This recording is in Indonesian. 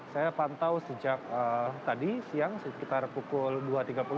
saya pantau sejak tadi siang sekitar pukul dua tiga puluh sampai dengan sore hari ini